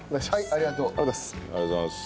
ありがとうございます。